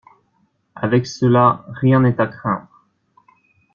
Avec cela rien n'est à craindre.